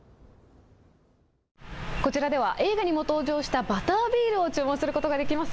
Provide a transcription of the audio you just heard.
こちらでは映画にも登場したバタービールを注文することができます。